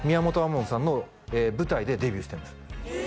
門さんの舞台でデビューしたんです